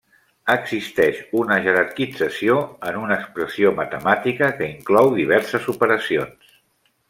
Existeix una jerarquització en una expressió matemàtica que inclou diverses operacions.